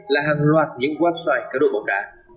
là hàng loạt những website cá độ bóng đá